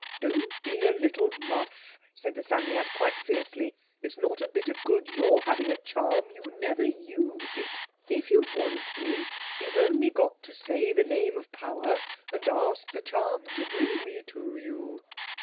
"Don't be a little muff," said the Psammead quite fiercely. "It's not a bit of good your having a charm. You never use it. If you want me you've only got to say the name of power and ask the charm to bring me to you."